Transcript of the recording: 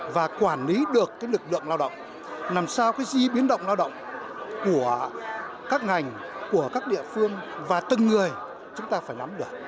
và quản lý được lực lượng lao động làm sao cái di biến động lao động của các ngành của các địa phương và từng người chúng ta phải nắm được